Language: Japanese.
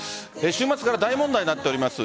週末から大問題になっています